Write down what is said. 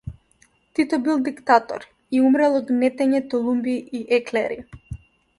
Тито бил диктатор и умрел од гнетење тулумби и еклери.